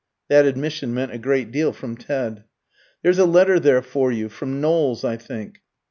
That admission meant a great deal from Ted. "There's a letter there for you, from Knowles, I think."